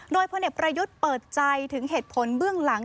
โดยพลเอกประยุทธ์เปิดใจถึงเหตุผลเบื้องหลัง